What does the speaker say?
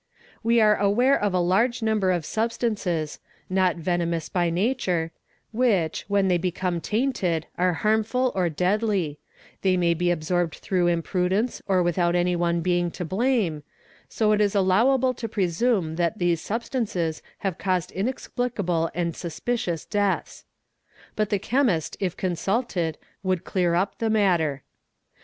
We are aware of a large number of substances, not venomous by : nature, which, when they become tainted, are harmful or deadly; they "may be absorbed through imprudence or without anyone being to blame, 80 it is allowable to presume that these substances have caused inex plicable and suspicious deaths. But the chemist if consulted would clear up the matter.